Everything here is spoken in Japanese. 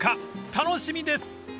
［楽しみです］